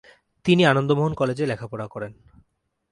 তিনি আনন্দমোহন কলেজ এ লেখাপড়া করেন।